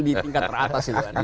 di tingkat teratas itu tadi